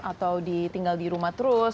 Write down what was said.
atau ditinggal di rumah terus